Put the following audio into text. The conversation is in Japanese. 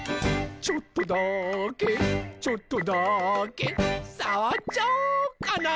「ちょっとだけちょっとだけさわっちゃおうかな」